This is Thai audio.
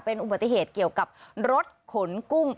เป็นอุบัติเหตุเกี่ยวกับรถขนกุ้ง